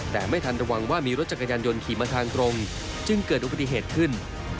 แต่ไม่ทันระวังว่ามีรถจักรยานยนต์ขี่มาทางตรงจึงเกิดอุบัติเหตุขึ้น